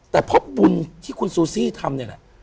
แต่เพราะบุญที่คุณซูซี่ทำเนี่ยแหละ